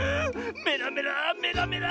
メラメラメラメラ！